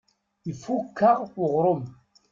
Ifukk-aɣ uɣrum.